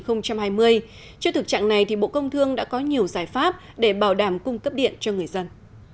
trước thực trạng này bộ công thương đã có nhiều giải pháp để bảo đảm cung cấp điện cho người dân